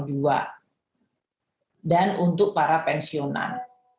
dan untuk para pensiunan